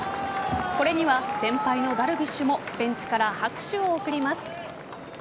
これには先輩のダルビッシュもベンチから拍手を送ります。